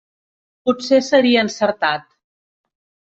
Potser seria encertat.